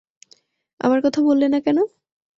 আমার কথা বললে না কেনো?